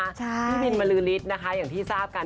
พี่บินบรือฤทธิ์นะคะอย่างที่ทราบกัน